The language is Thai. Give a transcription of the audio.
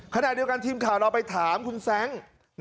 ขณะเดียวกันทีมข่าวเราไปถามคุณแซ้ง